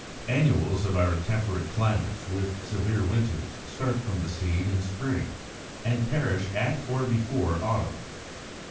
Annuals of our temperate climates with severe winters start from the seed in spring, and perish at or before autumn.